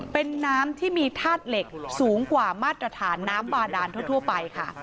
เป็นน้ำที่มีธาตุเหล็กสูงกว่ามาตรฐานน้ำบาดานทั่วไปค่ะ